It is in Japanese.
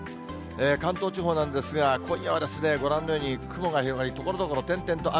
関東地方なんですが、今夜はご覧のように雲が広がり、ところどころ点々と雨。